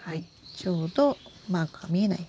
ちょうどマークが見えない。